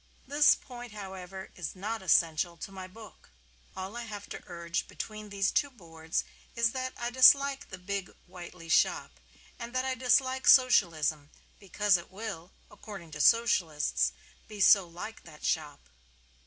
This point, however, is not essential to my book. All I have to urge between these two boards is that I dislike the big Whiteley shop, and that I dislike Socialism because it will (according to Socialists) be so like that shop.